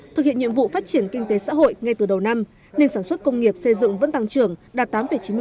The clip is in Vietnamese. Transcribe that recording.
thực hiện nhiệm vụ phát triển kinh tế xã hội ngay từ đầu năm nên sản xuất công nghiệp xây dựng vẫn tăng trưởng đạt tám chín mươi tám